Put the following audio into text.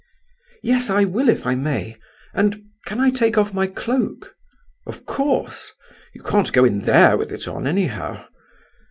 "Yes, I will if I may; and—can I take off my cloak" "Of course; you can't go in there with it on, anyhow."